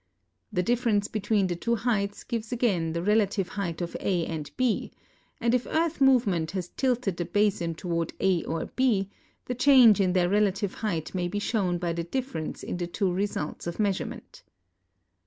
The difference between the two heights gives again the rela tive height of A and B ; and if earth movement has tilted the basin toward A or B, the change in their relative height may be shown by the difference in the two results of measurement.